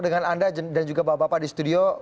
dengan anda dan juga bapak bapak di studio